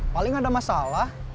paling ada masalah